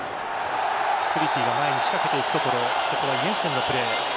スリティが前に仕掛けていくところここはイェンセンのプレー。